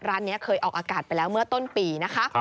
ร้านนี้เคยออกอากาศไปแล้วเมื่อต้นปีนะคะ